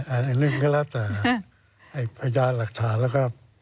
อันหนึ่งก็แล้วแต่ไอ้พยานหลักฐานแล้วก็